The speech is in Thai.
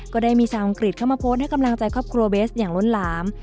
ก็ได้มีชาวอังกฤษเข้ามาโพสต์ให้กำลังใจครอบครัวเบสอย่างล้นหลาม